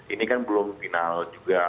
ini kan belum final juga